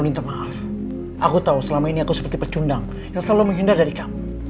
minta maaf aku tahu selama ini aku seperti pecundang yang selalu menghindar dari kamu